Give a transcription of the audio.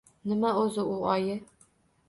Nima o’zi u, oyi?